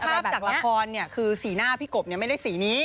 ภาพจากละครเนี่ยคือสีหน้าพี่กบเนี่ยไม่ได้สีนี้